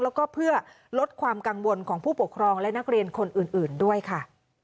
แล้วก็เพื่อลดความกังวลของผู้ปกครองและนักเรียนคนอื่นด้วยค่ะ